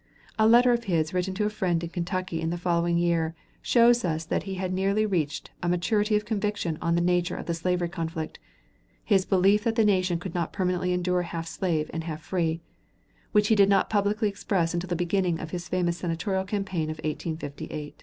A letter of his written to a friend in Kentucky in the following year shows us that he had nearly reached a maturity of conviction on the nature of the slavery conflict his belief that the nation could not permanently endure half slave and half free which he did not publicly express until the beginning of his famous senatorial campaign of 1858: [Sidenote: MS.